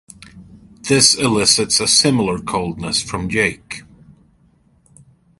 This elicits a similar coldness from Jake.